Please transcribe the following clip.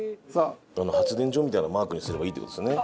発電所みたいなマークにすればいいって事ですよね。